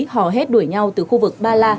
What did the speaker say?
họ hét đuổi nhau từ khu vực ba la